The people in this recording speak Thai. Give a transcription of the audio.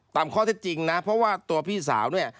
ตามข้อเท็จจริงนะเพราะว่าตัวพี่สาวเนี่ย